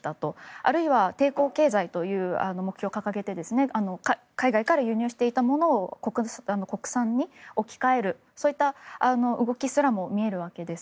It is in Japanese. あるいは抵抗経済という目標を掲げて海外から輸入していたものを国産に置き換えるそういった動きすらも見えるわけです。